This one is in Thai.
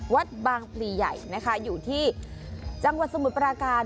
วัดบางพลีใหญ่นะคะอยู่ที่จังหวัดสมุทรปราการ